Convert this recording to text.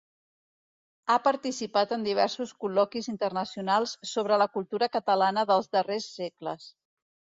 Ha participat en diversos col·loquis internacionals sobre la cultura catalana dels darrers segles.